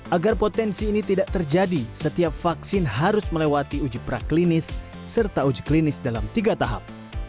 agar potensi ini tidak terjadi setiap vaksin harus melewati uji praklinis serta uji klinis dalam tiga tahap